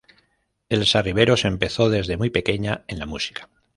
Elsa Riveros empezó desde muy pequeña en la música.